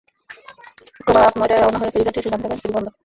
শুক্রবার রাত নয়টায় রওনা হয়ে ফেরিঘাটে এসে জানতে পারেন, ফেরি বন্ধ।